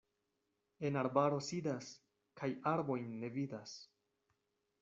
En arbaro sidas kaj arbojn ne vidas.